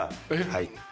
はい。